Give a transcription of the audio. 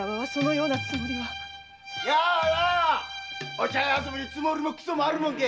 お茶屋遊びにつもりもクソもあるもんか！